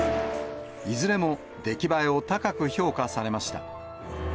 いずれも出来栄えを高く評価されました。